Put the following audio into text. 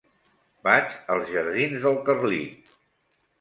Vaig als jardins del Carlit.